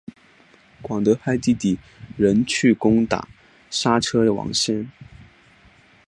广德派弟弟仁去攻打莎车王贤。